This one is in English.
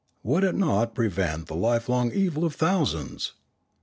Would it not prevent the lifelong evil of thousands